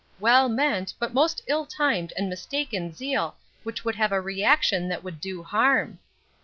"Well meant, but most ill timed and mistaken zeal, which would have a reaction that would do harm."